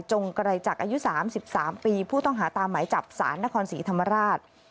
ไกรจักรอายุ๓๓ปีผู้ต้องหาตามหมายจับศาลนครศรีธรรมราช